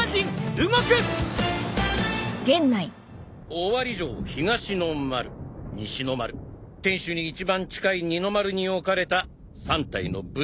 オワリ城東の丸西の丸天守に一番近い二の丸に置かれた３体の武人像を探し出すのだ。